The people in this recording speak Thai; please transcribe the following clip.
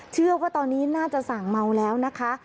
เชื่อว่าตอนนี้น่าจะสั่งเมาแล้วนะคะ